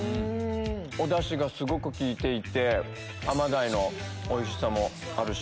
おダシがすごく効いていてアマダイのおいしさもあるし。